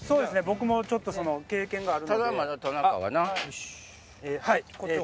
僕もちょっと経験があるんで。